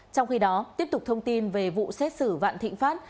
trong khi đó tiếp tục thông tin về vụ xét xử vạn thịnh pháp